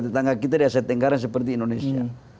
tetangga kita di asia tenggara seperti indonesia